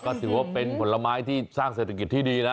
ก็ถือว่าเป็นผลไม้ที่สร้างเศรษฐกิจที่ดีนะ